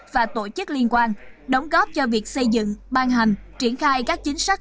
và tổ chức liên quan đóng góp cho việc xây dựng ban hành triển khai các chính sách